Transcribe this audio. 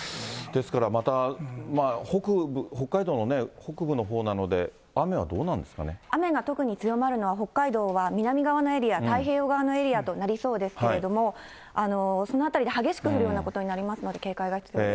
ですから、また北海道のね、北部のほうなので、雨が特に強まるのは、北海道は南側のエリア、太平洋側のエリアとなりそうですけれども、その辺りで激しく降るようなことになりますので、警戒が必要です。